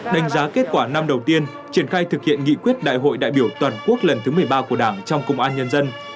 đánh giá kết quả năm đầu tiên triển khai thực hiện nghị quyết đại hội đại biểu toàn quốc lần thứ một mươi ba của đảng trong công an nhân dân